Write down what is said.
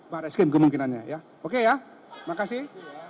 pada skrim kemungkinannya ya oke ya makasih